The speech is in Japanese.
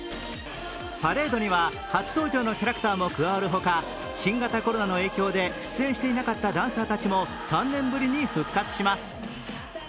パレードには初登場のキャラクターも加わるほか、新型コロナの影響で出演していなかったダンサーたちも３年ぶりに復帰します。